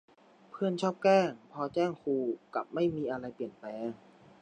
เพื่อนชอบแกล้งพอแจ้งครู กลับไม่มีอะไรเปลี่ยนแปลง